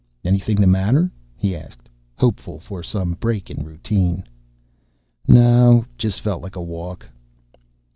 "Anything the matter?" he asked, hopeful for some break in routine. "No, just felt like a walk."